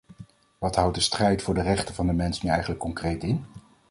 Wat houdt de strijd voor de rechten van de mens nu eigenlijk concreet in?